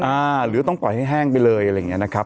หรือต้องปล่อยให้แห้งไปเลยอะไรอย่างนี้นะครับ